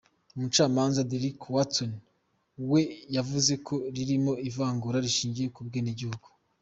Umucamanza Derrick Watson, we yavuze ko ririmo ivangura rishingiye ku bwenegihugu.